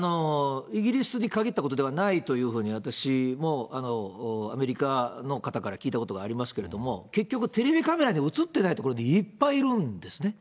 イギリスに限ったことではないというふうに、私も、アメリカの方から聞いたことがありますけれども、結局、テレビカメラに映ってない所で、いっぱいいるんですね。